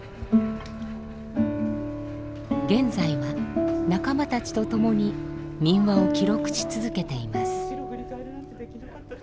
現在は仲間たちとともに民話を記録し続けています。